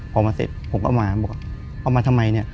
พอมาเสร็จผมก็มาบอกว่าเอามาทำไมเนี่ย